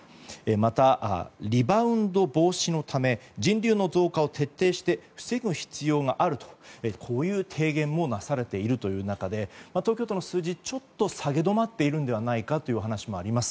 また、リバウンド防止のため人流の増加を徹底して防ぐ必要があるとこういう提言もなされているという中で東京都の数字、ちょっと下げ止まっているのはという話もあります。